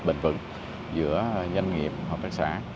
bình vững giữa doanh nghiệp hợp tác xã